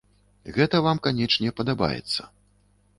Гэта вам, канечне, падабаецца.